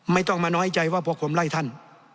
ไม่ต้องมาน้อยใจว่าพวกผมไล่ท่าน